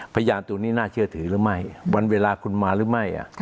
พยานตัวนี้น่าเชื่อถือหรือไม่วันเวลาคุณมาหรือไม่